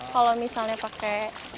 kalau misalnya pakai